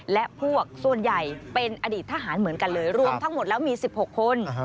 และพวกส่วนใหญ่เป็นอดีตทหารเหมือนกันเลยรวมทั้งหมดแล้วมี๑๖คน